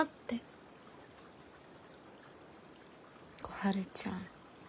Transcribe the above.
小春ちゃん。